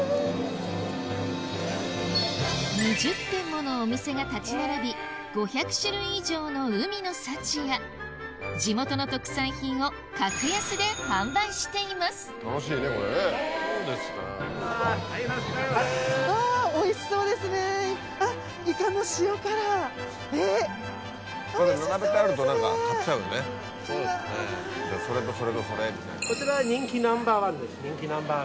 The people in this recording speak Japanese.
２０店ものお店が立ち並び５００種類以上の海の幸や地元の特産品を楽しいねこれね。